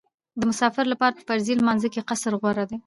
د مسافر لپاره په فرضي لمانځه کې قصر غوره دی